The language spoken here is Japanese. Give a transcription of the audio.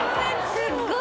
すっごい